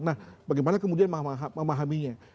nah bagaimana kemudian memahaminya